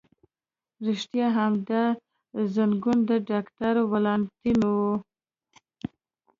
رښتیا هم، دا زنګون د ډاکټر ولانتیني و.